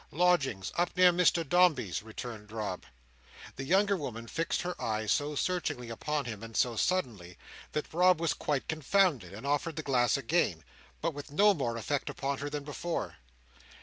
"Lodgings; up near Mr Dombey's," returned Rob. The younger woman fixed her eyes so searchingly upon him, and so suddenly, that Rob was quite confounded, and offered the glass again, but with no more effect upon her than before.